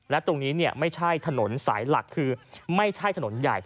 และตรงนี้ไม่ใช่ถนนสายหลักคือไม่ใช่ถนนใหญ่